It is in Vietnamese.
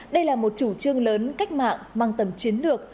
đây là một chủ trương lớn cách mạng mang tầm chiến lược